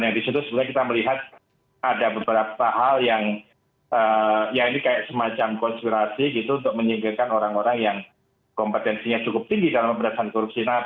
nah disitu sebenarnya kita melihat ada beberapa hal yang ya ini kayak semacam konspirasi gitu untuk menyingkirkan orang orang yang kompetensinya cukup tinggi dalam pemberantasan korupsi